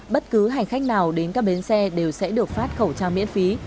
bất cứ hành khách nào đến các bến xe đều sẽ được phát khẩu trang miễn phí